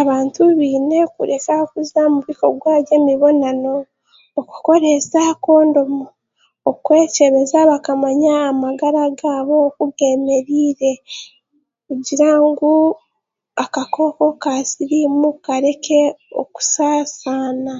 Abantu baine kuresa okuza omu by'omubonano, okukoreesa kondomu, okwekyebeza bakamanya amagara gaabo oku geemereire, kugira ngu akakooko ka siriimu kareke okusaasaana